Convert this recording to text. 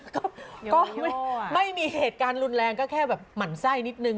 ก็ไม่มีเหตุการณ์รุนแรงก็แค่แบบหมั่นไส้นิดนึง